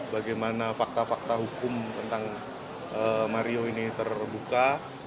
bagaimana fakta fakta hukum tentang mario ini terbuka